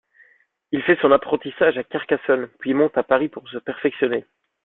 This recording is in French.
Il fait son apprentissage à Carcassonne puis monte à Paris pour se perfectionner.